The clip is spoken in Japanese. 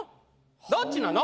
どっちなの？